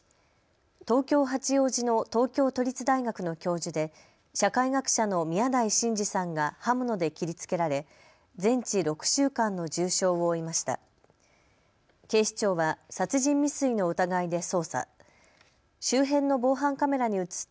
東京八王子の東京都立大学の教授で社会学者の宮台真司さんが刃物で切りつけられ全治６週間の重傷を負いました。